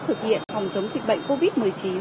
thực hiện phòng chống dịch bệnh covid một mươi chín